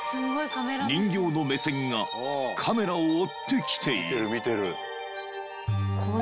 人形の目線がカメラを追ってきている